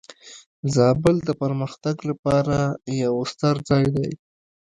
زابل د پرمختګ لپاره یو ستر ځای دی.